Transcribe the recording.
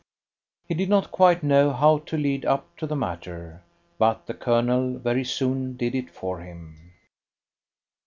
He did not quite know how to lead up to the matter, but the Colonel very soon did it for him.